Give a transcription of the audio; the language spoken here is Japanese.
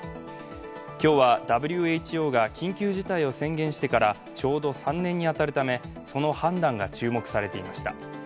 今日はＷＨＯが緊急事態を宣言してからちょうど３年に当たるためその判断が注目されていました。